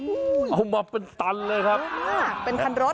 โอ้โหเอามาเป็นตันเลยครับเป็นคันรถ